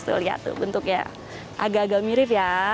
tuh lihat tuh bentuknya agak agak mirip ya